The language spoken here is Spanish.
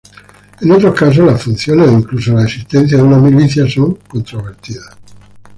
En otros casos, las funciones o incluso la existencia de una milicia son controvertidas.